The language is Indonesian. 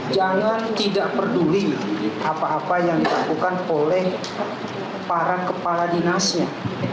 jangan tidak peduli apa apa yang dilakukan oleh para kepala dinasnya